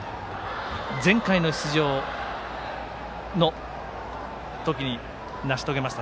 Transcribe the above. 前回の出場の時に成し遂げました